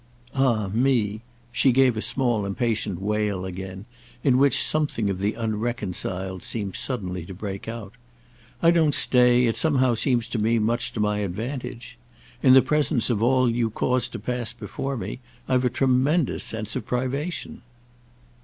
"Ah 'me'!"—she gave a small impatient wail again, in which something of the unreconciled seemed suddenly to break out. "I don't stay, it somehow seems to me, much to my advantage. In the presence of all you cause to pass before me I've a tremendous sense of privation."